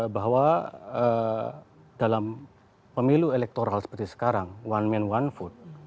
bahwa dalam pemilu elektoral seperti sekarang one man one food